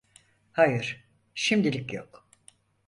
Hayır, şimdilik yok.